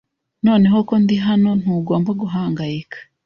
Noneho ko ndi hano, ntugomba guhangayika.